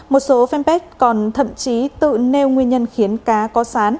một số fanpage còn thậm chí tự nêu nguyên nhân khiến cá nhiễm sán bị ả đặt trên các trang cá nhân